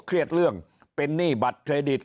เครียดเรื่องเป็นหนี้บัตรเครดิต